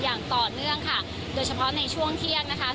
อย่างต่อเนื่องค่ะโดยเฉพาะในช่วงเที่ยงนะคะ